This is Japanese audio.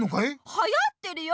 はやってるよ。